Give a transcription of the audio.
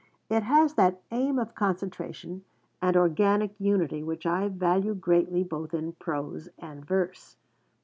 It has that aim of concentration and organic unity which I value greatly both in prose and verse.